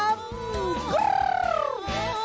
สวัสดีครับสวัสดีครับ